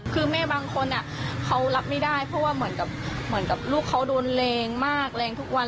คือแม่บางคนเขารับไม่ได้เพราะว่าเหมือนกับลูกเขาโดนแรงมากแรงทุกวัน